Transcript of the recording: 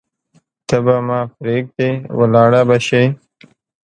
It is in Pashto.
ته به ما پریږدې ولاړه به شې